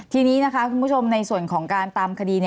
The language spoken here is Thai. ทีนี้นะคะคุณผู้ชมในส่วนของการตามคดี